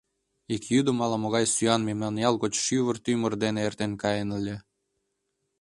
Ик йӱдым ала-могай сӱан мемнан ял гоч шӱвыр-тӱмыр дене эртен каен ыле.